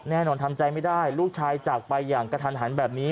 แน่นอนทำใจไม่ได้ลูกชายจากไปอย่างกระทันหันแบบนี้